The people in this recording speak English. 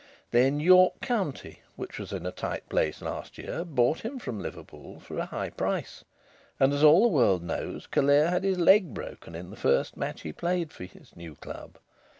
Then, York County, which was in a tight place last year, bought him from Liverpool for a high price, and, as all the world knows, Callear had his leg broken in the first match he played for his new club.